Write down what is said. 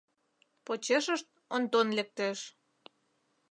Почешышт Онтон лектеш.